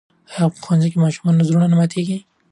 آیا په ښوونځي کې د ماشومانو زړونه ماتېږي؟